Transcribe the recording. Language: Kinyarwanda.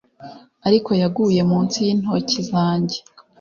ariko yaguye munsi y'intoki zanjye